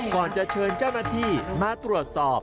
ก่อนจะเชิญเจ้าหน้าที่มาตรวจสอบ